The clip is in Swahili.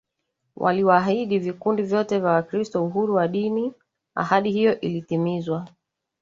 Waliwaahidi vikundi vyote vya Wakristo uhuru wa dini Ahadi hiyo ilitimizwa